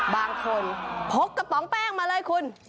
บางคนพกกระป๋องแป้งมาเลยคุณ